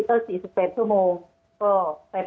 อันดับที่สุดท้าย